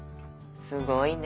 すごいね。